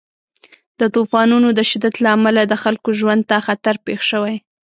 د طوفانونو د شدت له امله د خلکو ژوند ته خطر پېښ شوی.